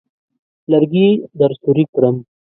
لرګي درسوري کړم.